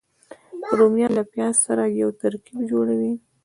رومیان له پیاز سره یو ترکیب جوړوي